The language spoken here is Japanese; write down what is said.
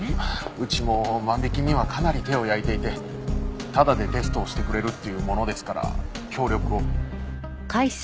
うちも万引きにはかなり手を焼いていてタダでテストをしてくれるって言うものですから協力を。